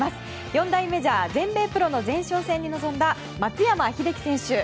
四大メジャー全米プロの前哨戦に臨んだ松山英樹選手。